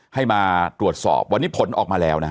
ให้มาตรวจสอบวันนี้ผลออกมาแล้วนะฮะ